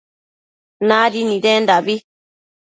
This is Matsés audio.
Nadi nidendabi